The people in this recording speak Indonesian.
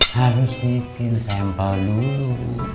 harus bikin sampel dulu